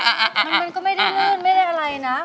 มันก็ไม่ได้ลื่นไม่ได้อะไรนะ